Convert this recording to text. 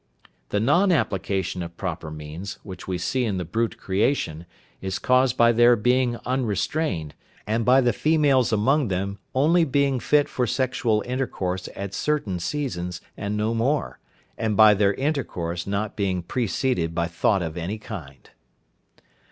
The non application of proper means, which we see in the brute creation, is caused by their being unrestrained, and by the females among them only being fit for sexual intercourse at certain seasons and no more, and by their intercourse not being preceded by thought of any kind.